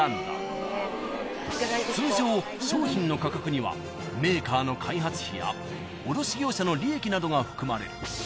［通常商品の価格にはメーカーの開発費や卸業者の利益などが含まれる］